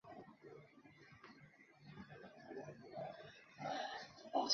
主教座堂是拉特朗圣若望大殿。